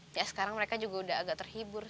ya sekarang mereka juga udah agak terhibur